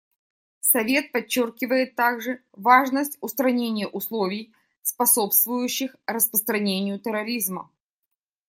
Совет подчеркивает также важность устранения условий, способствующих распространению терроризма.